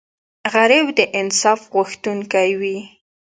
غریب د انصاف غوښتونکی وي